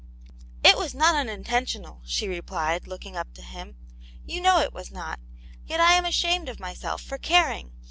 "it was not unintentional," she replied, look ing up to him, " you know it was not Yet I am ashamed of myself for caring.